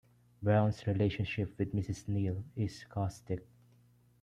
Brown's relationship with Mrs. Neall is caustic.